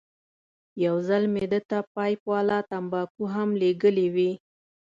یو ځل مې ده ته پایپ والا تنباکو هم لېږلې وې.